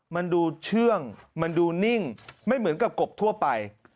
มันดูเชื่องมันดูนิ่งไม่เหมือนกับกบทั่วไป